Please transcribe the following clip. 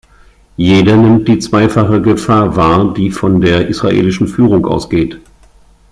Jeder nimmt die zweifache Gefahr wahr, die von der israelischen Führung ausgeht.